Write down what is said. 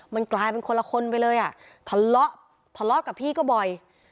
มันกลายเป็นคนละคนไปเลยอ่ะทะเลาะทะเลาะกับพี่ก็บ่อย